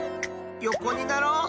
よこになろう！